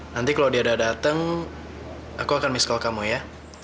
nanti kalau dia ada dateng aku akan miss call kamu ya